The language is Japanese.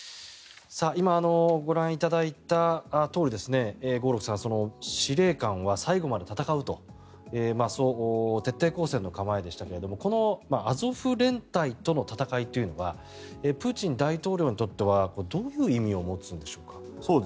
今、ご覧いただいたとおり合六さん、司令官は最後まで戦うと徹底抗戦の構えでしたがこのアゾフ連隊との戦いというのはプーチン大統領にとってはどういう意味を持つんでしょうか。